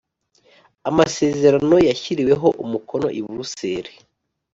Amasezerano yashyiriweho umukono i buruseli